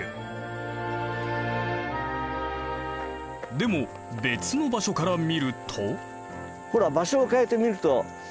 でも別の場所から見ると。